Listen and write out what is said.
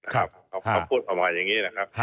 เขาพูดความหวังอย่างนี้นะครับ